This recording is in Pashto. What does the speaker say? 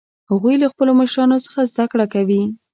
هغوی له خپلو مشرانو څخه زده کړه کوي